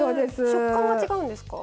食感が違うんですか？